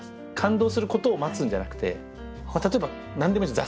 例えば何でもいいです。